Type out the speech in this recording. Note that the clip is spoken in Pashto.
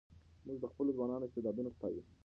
موږ د خپلو ځوانانو استعدادونه ستایو.